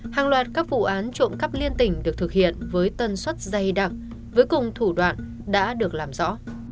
hàng loạt các vụ án trộm cắp liên tỉnh được thực hiện với tần suất dày đặc với cùng thủ đoạn đã được làm rõ